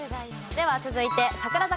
では続いて櫻坂